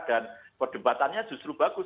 dan perdebatannya justru bagus